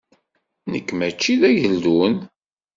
Nekk mačči d ageldun.